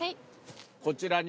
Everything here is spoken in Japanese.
こちらに。